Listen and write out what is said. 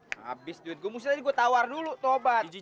habis duit gua mustahil gue tawar dulu tobat